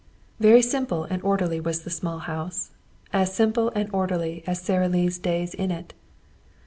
Very simple and orderly was the small house, as simple and orderly as Sara Lee's days in it.